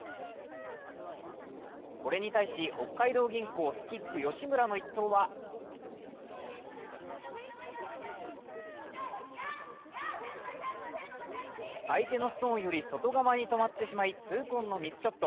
これに対し北海道銀行、スキップ・吉村の一投は相手のストーンより外側に止まってしまい、痛恨のミスショット。